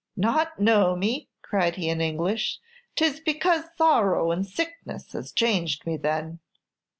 "Not know me?" cried he, in English; "'t is because sorrow and sickness has changed me, then."